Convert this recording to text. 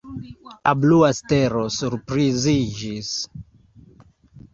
La blua stelo surpriziĝis.